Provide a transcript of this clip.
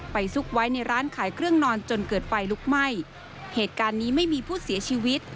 ซุกไว้ในร้านขายเครื่องนอนจนเกิดไฟลุกไหม้เหตุการณ์นี้ไม่มีผู้เสียชีวิต